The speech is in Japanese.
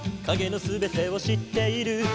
「影の全てを知っている」